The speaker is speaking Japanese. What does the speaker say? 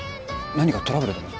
何かトラブルでも？